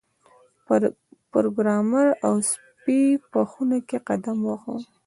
پروګرامر او سپی په خونه کې قدم واهه